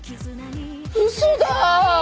嘘だ！